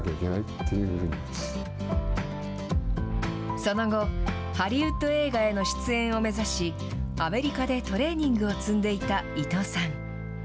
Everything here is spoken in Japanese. その後、ハリウッド映画への出演を目指し、アメリカでトレーニングを積んでいた伊藤さん。